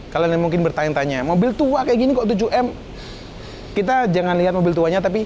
kalau mungkin bertanya tanya mobil tua kayak gini kok tujuh m kita jangan lihat mobil tuanya tapi